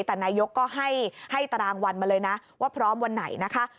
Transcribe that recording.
แต่นายกก็ให้ตารางวัลมาเลยนะว่าพร้อมวันไหนนะคะ